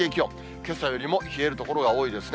けさよりも冷える所が多いですね。